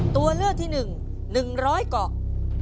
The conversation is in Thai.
ตัวเลือกที่หนึ่ง๑๐๐เกาะ